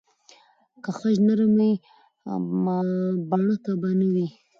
که خج نرم وای، بڼکه به نه وای.